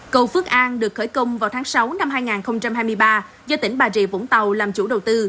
cầu phước an được khởi công vào tháng sáu năm hai nghìn hai mươi ba do tỉnh bà rịa vũng tàu làm chủ đầu tư